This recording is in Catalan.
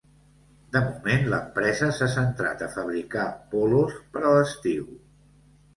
De moment, l’empresa s’ha centrat a fabricar polos per a l’estiu.